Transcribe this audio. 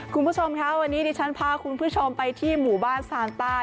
คุณผู้ชมค่ะวันนี้ดิฉันพาคุณผู้ชมไปที่หมู่บ้านซานใต้